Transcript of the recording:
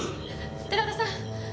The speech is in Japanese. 寺田さん